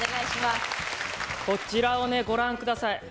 こちらをご覧ください。